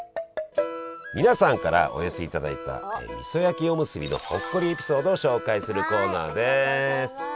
皆さんからお寄せいただいたみそ焼きおむすびのほっこりエピソードを紹介するコーナーです。